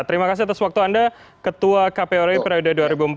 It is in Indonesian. terima kasih atas waktu anda ketua kpri periode dua ribu empat dua ribu tujuh